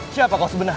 siapa kau sebenarnya